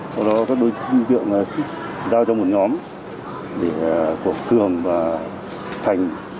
sau đó các đối tượng giao cho một nhóm để của cường và thành